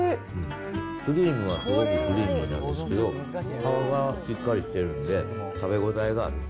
クリームがすごくクリームなんですけど、皮がしっかりしてるんで、食べ応えがある。